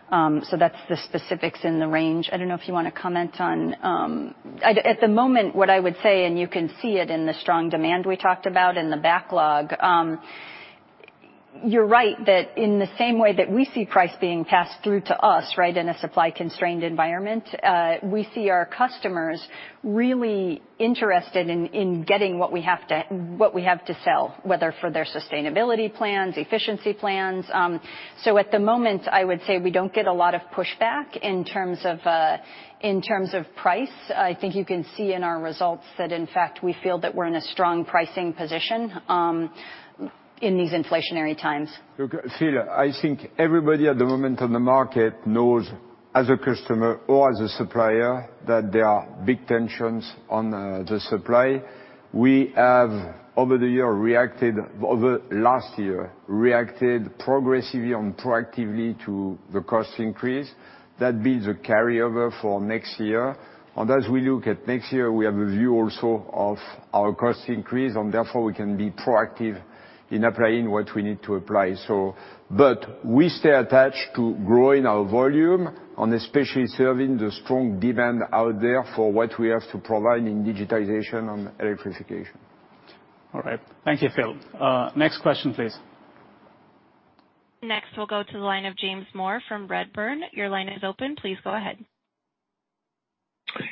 That's the specifics in the range. I don't know if you wanna comment on... At the moment, what I would say, and you can see it in the strong demand we talked about and the backlog, you're right that in the same way that we see price being passed through to us, right, in a supply-constrained environment, we see our customers really interested in getting what we have to sell, whether for their sustainability plans, efficiency plans. At the moment, I would say we don't get a lot of pushback in terms of price. I think you can see in our results that, in fact, we feel that we're in a strong pricing position, in these inflationary times. Look, Phil, I think everybody at the moment on the market knows. As a customer or as a supplier that there are big tensions on the supply. We have over last year reacted progressively and proactively to the cost increase. That builds a carryover for next year. As we look at next year, we have a view also of our cost increase and therefore we can be proactive in applying what we need to apply. We stay attached to growing our volume and especially serving the strong demand out there for what we have to provide in digitization and electrification. All right. Thank you, Phil. Next question, please. Next, we'll go to the line of James Moore from Redburn. Your line is open. Please go ahead.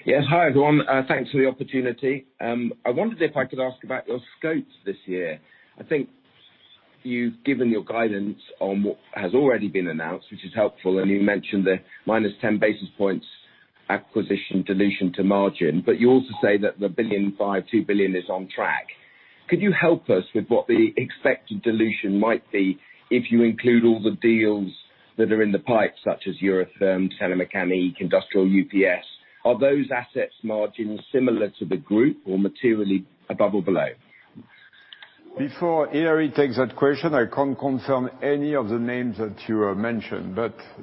Yes. Hi, everyone. Thanks for the opportunity. I wondered if I could ask about your scopes this year. I think you've given your guidance on what has already been announced, which is helpful, and you mentioned the minus 10 basis points acquisition dilution to margin, but you also say that the 1 billion-2 billion is on track. Could you help us with what the expected dilution might be if you include all the deals that are in the pipeline, such as Eurotherm, Senne became, Industrial UPS? Are those assets margins similar to the group or materially above or below Before Hilary takes that question, I can't confirm any of the names that you have mentioned.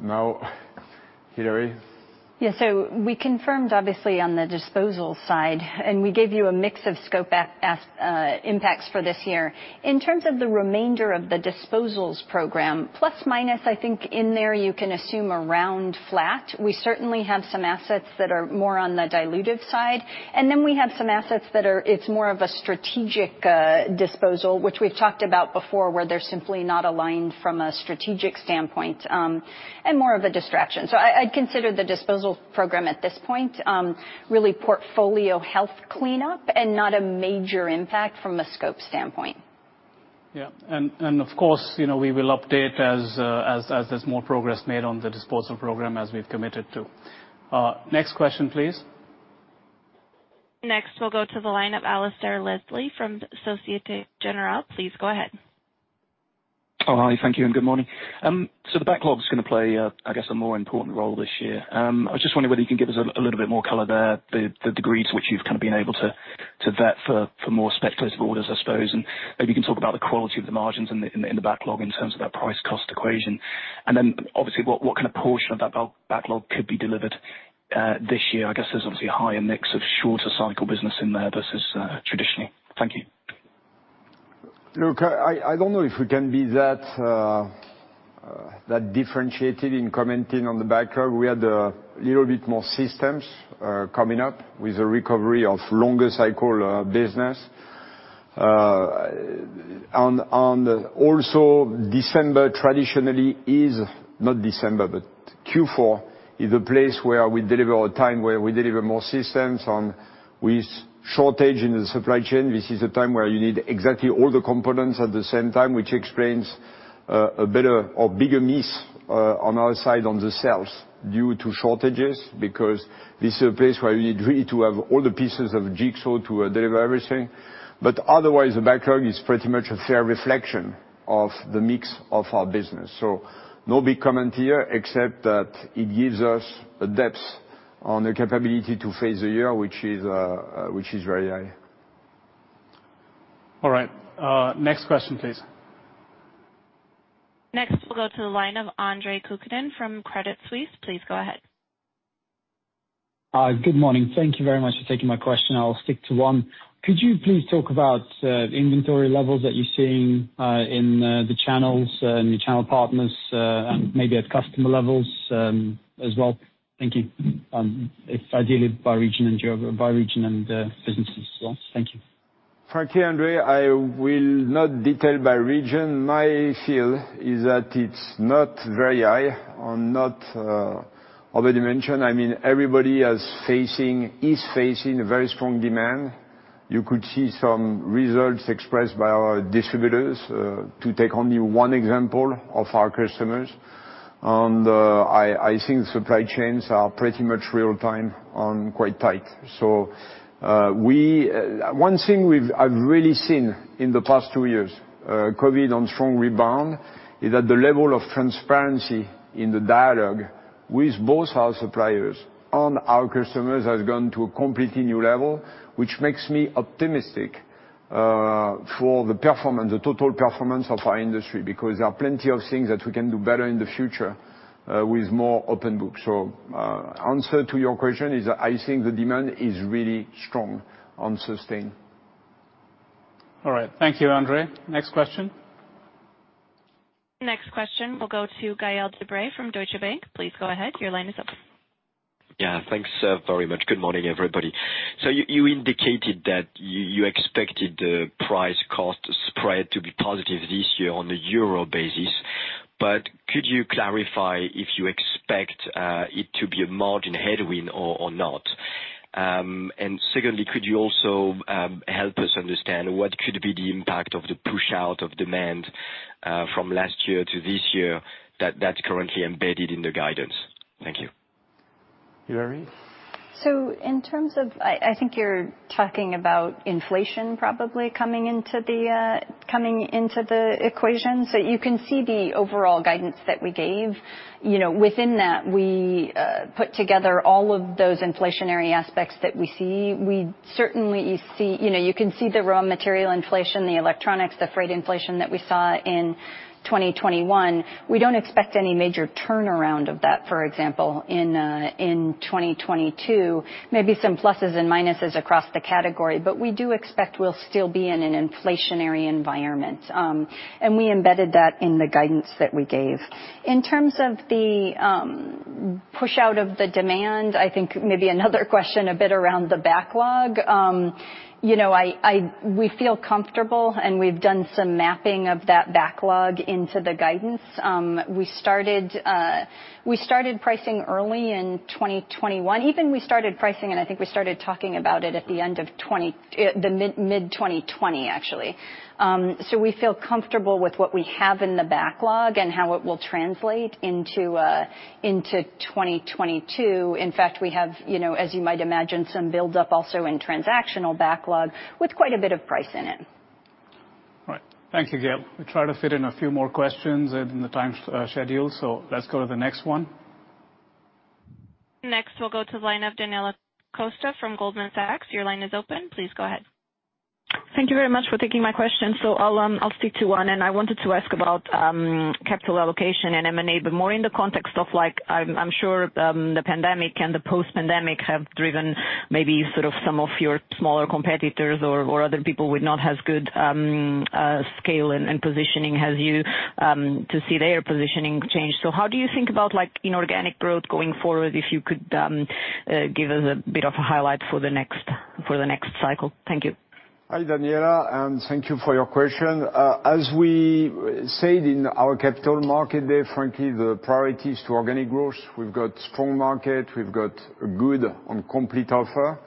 Now, Hilary. Yeah. We confirmed obviously on the disposal side, and we gave you a mix of scope impacts for this year. In terms of the remainder of the disposals program, plus or minus, I think in there you can assume around flat. We certainly have some assets that are more on the dilutive side. Then we have some assets that are, it's more of a strategic disposal, which we've talked about before, where they're simply not aligned from a strategic standpoint, and more of a distraction. I'd consider the disposal program at this point, really portfolio health cleanup and not a major impact from a scope standpoint. Yeah. Of course, you know, we will update as there's more progress made on the disposal program as we've committed to. Next question, please. Next, we'll go to the line of Alasdair Leslie from Société Générale. Please go ahead. Oh, hi. Thank you and good morning. The backlog is gonna play, I guess a more important role this year. I was just wondering whether you can give us a little bit more color there, the degrees which you've kind of been able to vet for more speculative orders, I suppose. Maybe you can talk about the quality of the margins in the backlog in terms of that price cost equation. Then obviously, what kind of portion of that backlog could be delivered this year? I guess there's obviously a higher mix of shorter cycle business in there versus traditionally. Thank you. Look, I don't know if we can be that differentiated in commenting on the backlog. We had a little bit more systems coming up with a recovery of longer cycle business. And also, not December, but Q4 is a place where we deliver or a time where we deliver more systems along with shortage in the supply chain. This is a time where you need exactly all the components at the same time, which explains a better or bigger miss on our side on the sales due to shortages, because this is a place where you need really to have all the pieces of jigsaw to deliver everything. Otherwise, the backlog is pretty much a fair reflection of the mix of our business. No big comment here, except that it gives us a depth on the capability to face the year, which is very high. All right. Next question, please. Next, we'll go to the line of Andre Kukhnin from Credit Suisse. Please go ahead. Good morning. Thank you very much for taking my question. I'll stick to one. Could you please talk about inventory levels that you're seeing in the channels and your channel partners, and maybe at customer levels as well, if ideally by region and businesses as well? Thank you. Frankly, Andre Kukhnin, I will not detail by region. My feel is that it's not very high and not already mentioned. I mean, everybody is facing a very strong demand. You could see some results expressed by our distributors to take only one example of our customers. I think supply chains are pretty much real time and quite tight. One thing I've really seen in the past two years, COVID and strong rebound, is that the level of transparency in the dialogue with both our suppliers and our customers has gone to a completely new level, which makes me optimistic for the performance, the total performance of our industry, because there are plenty of things that we can do better in the future with more open book. The answer to your question is I think the demand is really strong and sustained. All right. Thank you, Andre. Next question. Next question will go to Gaël de Bray from Deutsche Bank. Please go ahead. Your line is open. Yeah. Thanks very much. Good morning, everybody. You indicated that you expected the price cost spread to be positive this year on a euro basis, but could you clarify if you expect it to be a margin headwind or not? And secondly, could you also help us understand what could be the impact of the push out of demand from last year to this year that's currently embedded in the guidance? Thank you. I think you're talking about inflation probably coming into the equation. You can see the overall guidance that we gave. You know, within that we put together all of those inflationary aspects that we see. We certainly see. You know, you can see the raw material inflation, the electronics, the freight inflation that we saw in 2021. We don't expect any major turnaround of that, for example, in 2022. Maybe some pluses and minuses across the category, but we do expect we'll still be in an inflationary environment. We embedded that in the guidance that we gave. In terms of the push-out of the demand, I think maybe another question a bit around the backlog. You know, we feel comfortable, and we've done some mapping of that backlog into the guidance. We started pricing early in 2021. Even we started pricing, and I think we started talking about it at the end of the mid-2020, actually. We feel comfortable with what we have in the backlog and how it will translate into 2022. In fact, we have, you know, as you might imagine, some buildup also in transactional backlog with quite a bit of price in it. All right. Thank you, Gaël. We try to fit in a few more questions in the time schedule, so let's go to the next one. Next, we'll go to the line of Daniela Costa from Goldman Sachs. Your line is open. Please go ahead. Thank you very much for taking my question. I'll stick to one, and I wanted to ask about capital allocation and M&A, but more in the context of like, I'm sure the pandemic and the post-pandemic have driven maybe sort of some of your smaller competitors or other people with not as good scale and positioning as you to see their positioning change. How do you think about like inorganic growth going forward, if you could give us a bit of a highlight for the next cycle? Thank you. Hi, Daniela, and thank you for your question. As we said in our Capital Markets Day, frankly, the priority is to organic growth. We've got strong market. We've got good and complete offer,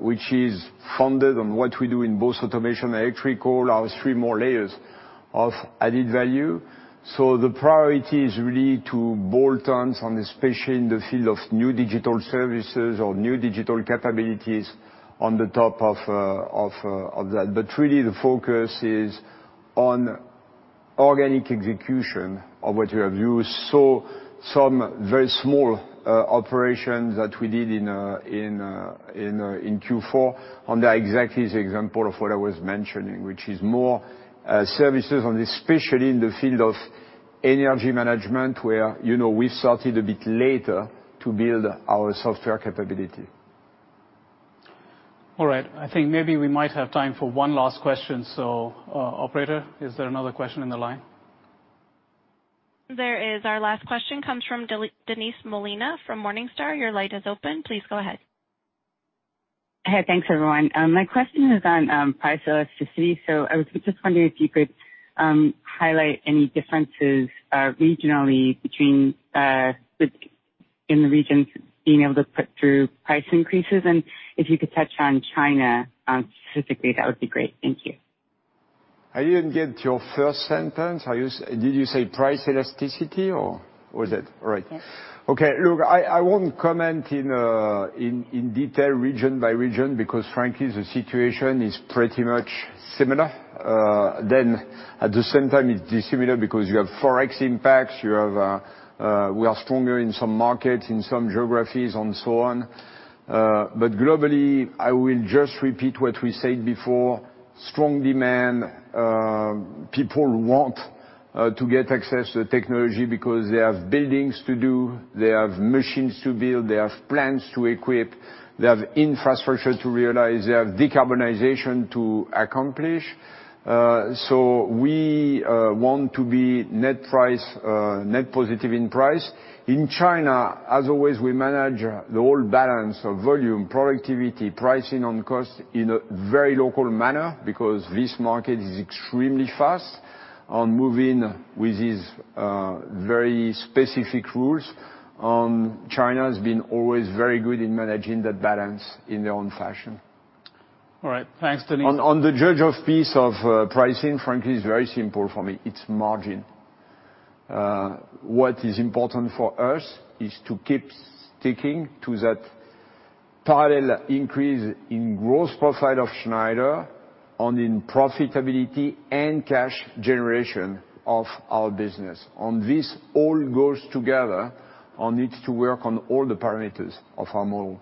which is founded on what we do in both automation and electrical, our three core layers of added value. The priority is really to bolt on, especially in the field of new digital services or new digital capabilities on the top of that. Really the focus is on organic execution of what we have. Some very small operations that we did in Q4, and they are exactly the example of what I was mentioning, which is more services, especially in the field of Energy Management, where, you know, we started a bit later to build our software capability. All right. I think maybe we might have time for one last question. operator, is there another question in the line? There is. Our last question comes from Denise Molina from Morningstar. Your line is open. Please go ahead. Hey, thanks, everyone. My question is on price elasticity. I was just wondering if you could highlight any differences regionally between in the regions being able to put through price increases, and if you could touch on China specifically, that would be great. Thank you. I didn't get your first sentence. Did you say price elasticity, or was it? All right. Yes. Okay. Look, I won't comment in detail region by region because frankly, the situation is pretty much similar. At the same time, it is similar because you have Forex impacts. You have, we are stronger in some markets, in some geographies, and so on. Globally, I will just repeat what we said before. Strong demand. People want to get access to technology because they have buildings to do, they have machines to build, they have plants to equip, they have infrastructure to realize, they have decarbonization to accomplish. We want to be net price, net positive in price. In China, as always, we manage the whole balance of volume, productivity, pricing on cost in a very local manner because this market is extremely fast-moving with these, very specific rules. China has been always very good in managing that balance in their own fashion. All right. Thanks, Denise. On pricing, frankly, it's very simple for me. It's margin. What is important for us is to keep sticking to that parallel increase in growth profile of Schneider and in profitability and cash generation of our business. This all goes together and needs to work on all the parameters of our model.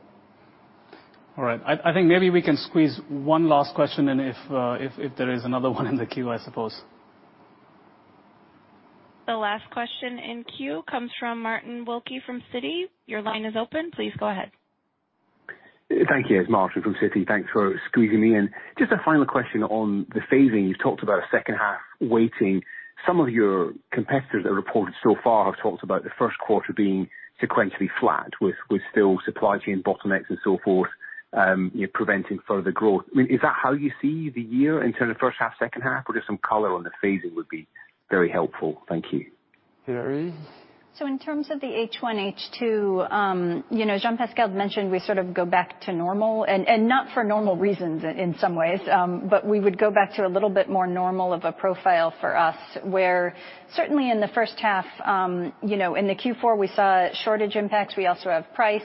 All right. I think maybe we can squeeze one last question and if there is another one in the queue, I suppose. The last question in queue comes from Martin Wilkie from Citi. Your line is open. Please go ahead. Thank you. It's Martin from Citi. Thanks for squeezing me in. Just a final question on the phasing. You've talked about a second half weighting. Some of your competitors that reported so far have talked about the first quarter being sequentially flat with still supply chain bottlenecks and so forth, you know, preventing further growth. I mean, is that how you see the year in terms of first half, second half? Or just some color on the phasing would be very helpful. Thank you. Hillary please? In terms of the H1, H2, you know, Jean-Pascal mentioned we sort of go back to normal, and not for normal reasons in some ways, but we would go back to a little bit more normal of a profile for us, where certainly in the first half, you know, in the Q4, we saw shortage impacts. We also have price.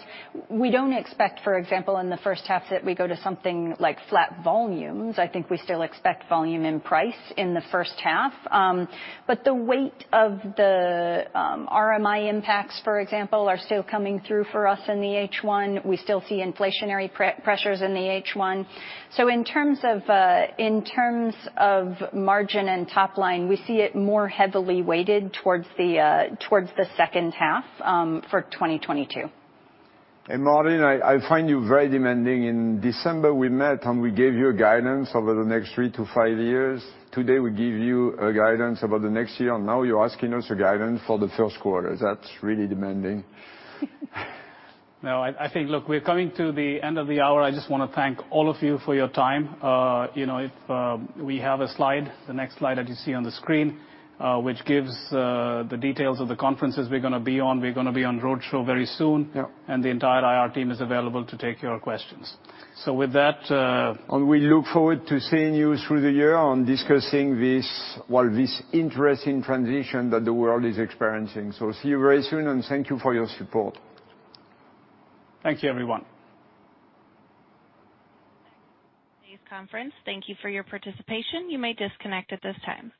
We don't expect, for example, in the first half that we go to something like flat volumes. I think we still expect volume and price in the first half. But the weight of the RMI impacts, for example, are still coming through for us in the H1. We still see inflationary pressures in the H1. In terms of margin and top line, we see it more heavily weighted towards the second half for 2022. Martin, I find you very demanding. In December, we met, and we gave you a guidance over the next three to five years. Today, we give you a guidance about the next year, and now you're asking us a guidance for the first quarter. That's really demanding. No, I think, look, we're coming to the end of the hour. I just wanna thank all of you for your time. You know, if we have a slide, the next slide that you see on the screen, which gives the details of the conferences we're gonna be on. We're gonna be on roadshow very soon. Yeah. The entire IR team is available to take your questions. With that, We look forward to seeing you through the year on discussing this, well, this interesting transition that the world is experiencing. See you very soon, and thank you for your support. Thank you, everyone. Today's conference, thank you for your participation. You may disconnect at this time.